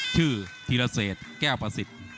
ชื่อธิรเศษแก้วประสิทธิ์